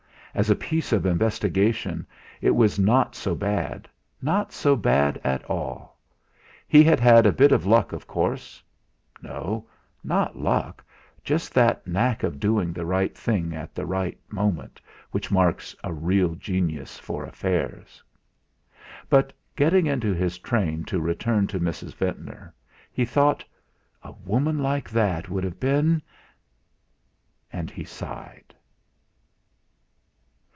As a piece of investigation it was not so bad not so bad at all! He had had a bit of luck, of course, no, not luck just that knack of doing the right thing at the right moment which marks a real genius for affairs. But getting into his train to return to Mrs. Ventnor, he thought: 'A woman like that would have been !' And he sighed.